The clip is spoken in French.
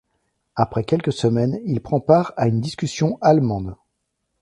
Après quelques semaines, il prend part à une discussion allemande.